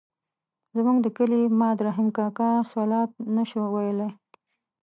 زموږ د کلي ماد رحیم کاکا الصلواة نه شوای ویلای.